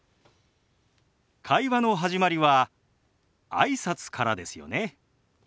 会話の始まりはあいさつからですよね。